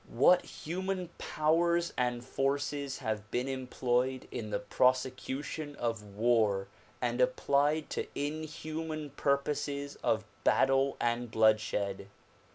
What human powers and forces have been employed in the prosecution of war and applied to inhuman purposes of battle and bloodshed!